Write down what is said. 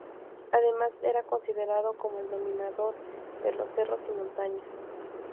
Además era considerado como el dominador de los cerros y montañas.